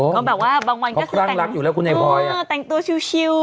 ก็แบบว่าบางวันก็คือแต่งตัวชิว